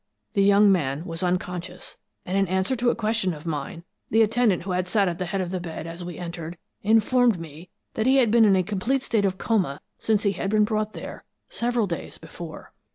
The young man was unconscious, and in answer to a question of mine the attendant who had sat at the head of the bed as we entered informed me that he had been in a complete state of coma since he had been brought there, several days before.